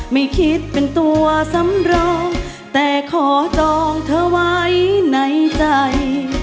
ไม่คิดเป็นตัวสำรองแต่ขอจองเธอไว้ในใจ